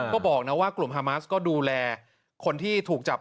ก็บอกนะว่ากลุ่มฮามาสก็ดูแลคนที่ถูกจับ